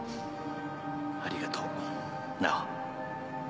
ありがとう奈緒